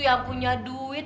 yang punya duit